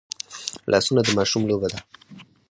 لاسونه د ماشوم لوبه ده